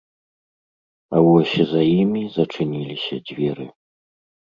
А вось за імі зачыніліся дзверы.